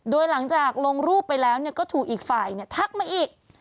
โดยหลังจากลงรูปไปแล้วก็ถูกอีกฝ่ายทักมาอีก